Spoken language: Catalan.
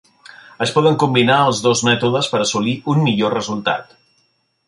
Es poden combinar els dos mètodes per assolir un millor resultat.